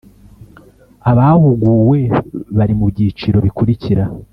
abahuguwe bari mu byiciro bikurikira: